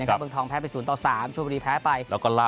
เมืองทองแพ้ไป๐ต่อ๓ชมบุรีแพ้ไป